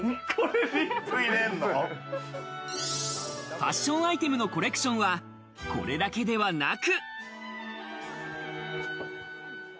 ファッションアイテムのコレクションは、これだけではなく。